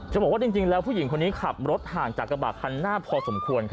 บอกว่าจริงแล้วผู้หญิงคนนี้ขับรถห่างจากกระบะคันหน้าพอสมควร